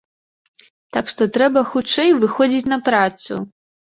Так што трэба хутчэй выходзіць на працу.